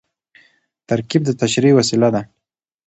ترکیب د تشریح وسیله ده.